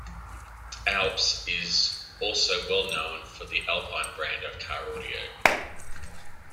Alps is also well known for the Alpine brand of car audio.